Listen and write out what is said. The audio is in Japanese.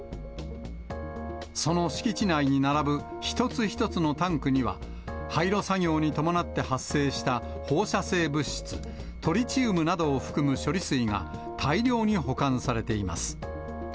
その敷地内に並ぶ一つ一つのタンクには、廃炉作業に伴って発生した放射性物質、トリチウムなどを含む処理水が、大量に保管されています。